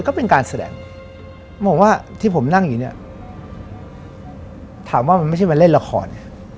ก็เป็นการแสดงบอกว่าที่ผมนั่งอยู่เนี่ยถามว่ามันไม่ใช่มาเล่นละคร